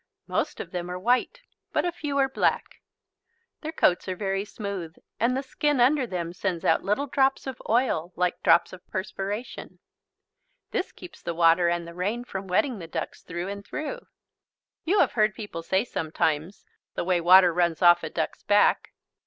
Most of them are white but a few are black. Their coats are very smooth, and the skin under them sends out little drops of oil like drops of perspiration. This keeps the water and the rain from wetting the ducks through and through. You have heard people say sometimes: "The way water runs off a duck's back."